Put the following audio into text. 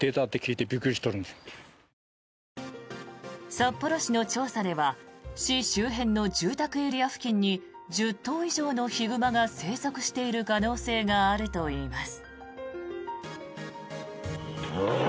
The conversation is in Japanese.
札幌市の調査では市周辺の住宅エリア付近に１０頭以上のヒグマが生息している可能性があるといいます。